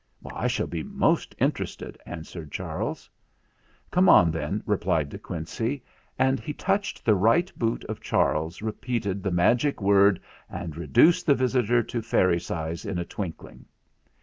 "I shall be most interested," answered Charles. "Come on, then," replied De Quincey; and he touched the right boot of Charles, repeated the magic word, and reduced the visitor to fairy size in a twinkling.